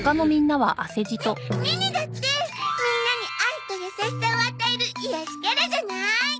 ネネネだってみんなに愛と優しさを与える癒やしキャラじゃない？